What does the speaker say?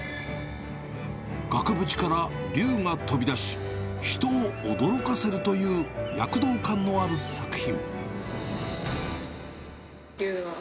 額縁から龍が飛び出し、人を驚かせるという、躍動感のある作品。